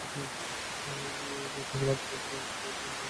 মরহুমার আত্মার মাগফিরাত কামনায় পরিবারের তরফ থেকে সবার কাছে দোয়া চাওয়া হয়েছে।